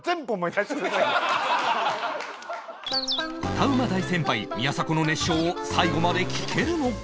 歌うま大先輩宮迫の熱唱を最後まで聴けるのか？